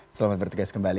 selamat bertugas kembali